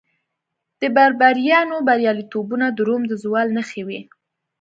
د بربریانو بریالیتوبونه د روم د زوال نښې وې